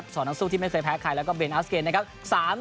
สองนักสู้ที่ไม่เคยแพ้ใครแล้วก็เบนอาสเกณฑ์นะครับ